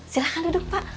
silahkan duduk pak